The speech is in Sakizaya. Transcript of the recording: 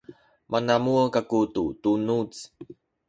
manamuh kaku tu tunuz